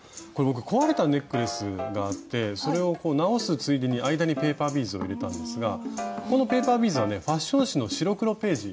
これ僕壊れたネックレスがあってそれを直すついでに間にペーパービーズを入れたんですがこのペーパービーズはねファッション誌の白黒ページ。